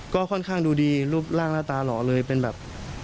ก็ค่อนข้างดูดีรูปร่างหน้าตาหล่อเลยเป็นแบบ